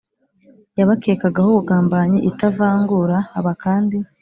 yabakekagaho ubugambanyi itavangura, baba kandi